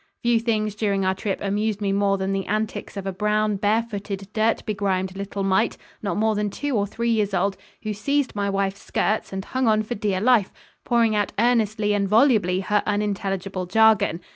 Few things during our trip amused me more than the antics of a brown, bare foot, dirt begrimed little mite not more than two or three years old, who seized my wife's skirts and hung on for dear life, pouring out earnestly and volubly her unintelligible jargon.